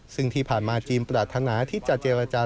ซึ่งที่ผ่านมาจีนปรารถนาที่จะเจรจา